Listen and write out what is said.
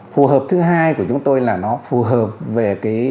phù hợp thứ hai của chúng tôi là nó phù hợp về cái